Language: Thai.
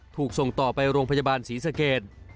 ถูกส่งต่อไปโรงพยาบาลศรีสเกต